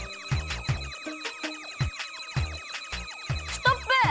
ストップ！